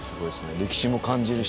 歴史も感じるし。